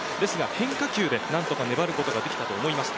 変化球で何とか粘ることができたと思います。